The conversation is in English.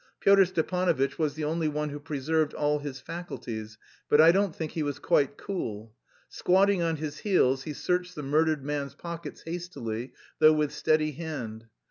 Pyotr Stepanovitch was the only one who preserved all his faculties, but I don't think he was quite cool. Squatting on his heels, he searched the murdered man's pockets hastily, though with steady hand.